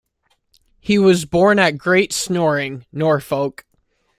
He was born at Great Snoring, Norfolk.